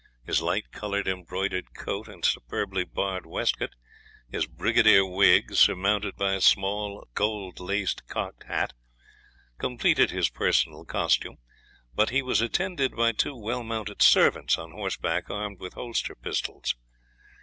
His light coloured embroidered coat, and superbly barred waistcoat, his brigadier wig, surmounted by a small gold laced cocked hat, completed his personal costume; but he was attended by two well mounted servants on horseback, armed with holster pistols.